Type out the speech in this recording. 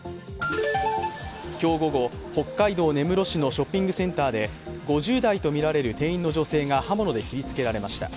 今日午後、北海道根室市のショッピングセンターで５０代とみられる店員の女性が刃物で切りつけられました。